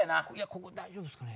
ここ大丈夫っすかね？